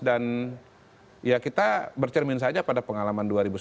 dan ya kita bercermin saja pada pengalaman dua ribu sembilan